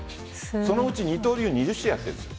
そのうち、二刀流２０試合やっているんです。